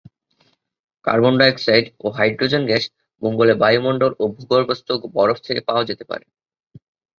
Carbon dioxide ও hydrogen gas মঙ্গলের বায়ুমণ্ডল ও ভূগর্ভস্থ বরফ থেকে পাওয়া যেতে পারে।